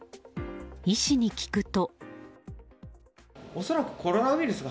医師に聞くと。